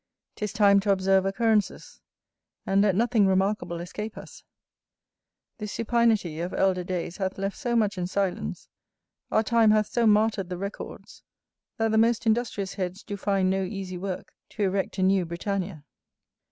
'Tis time to observe occurrences, and let nothing remarkable escape us: the supinity of elder days hath left so much in silence, or time hath so martyred the records, that the most industrious heads do find no easy work to erect a new Britannia.